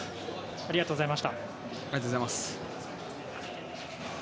ありがとうございます。